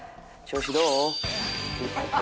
「調子どう？」。